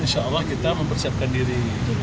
insya allah kita mempersiapkan diri